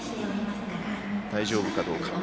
大丈夫かどうか。